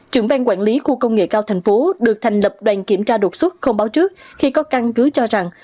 trưởng ban quản lý khu công nghệ cao thành phố được thành lập đoàn kiểm tra đột xuất không báo trước khi có căn cứ cho rằng